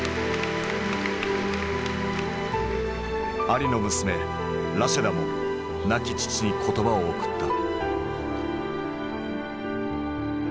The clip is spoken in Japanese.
アリの娘ラシェダも亡き父に言葉を贈った。